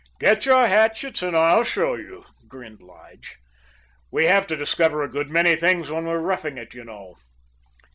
"Get your hatchets and I'll show you," grinned Lige. "We have to discover a good many things when we are roughing it, you know."